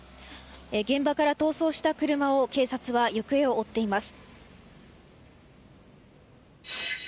現場から逃走した車を警察は行方を追っています。